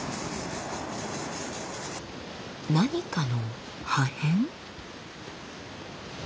何かの破片？